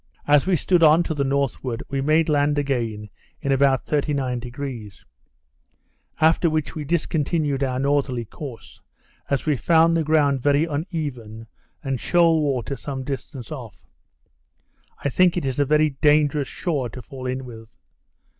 As we stood on to the northward, we made land again in about 39°; after which we discontinued our northerly course, as we found the ground very uneven, and shoal water some distance off. I think it a very dangerous shore to fall in with.